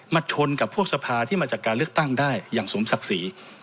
ชนกับพวกสภาที่มาจากการเลือกตั้งได้อย่างสมศักดิ์ศรี